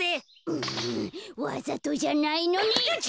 うわざとじゃないのに。